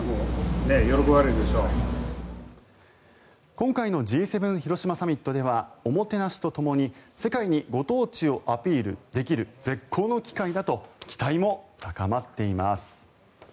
今回のＧ７広島サミットではおもてなしとともに世界にご当地をアピールできる絶好の機会だと期待も高まっています。